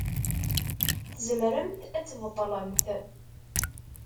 Tzemremt ad tbeṭlemt?